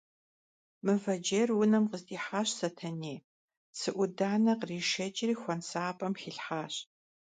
Mıvecêyr vunem khızdihaş Setenêy, tsı 'udane khrişşeç'ri kuensap'em xilhhaş.